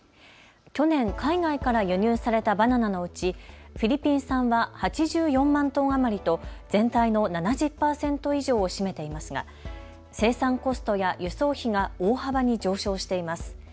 去年、海外から輸入されたバナナのうちフィリピン産は８４万トン余りと全体の７０％以上を占めていますが、生産コストや輸送費が大幅に上昇しています。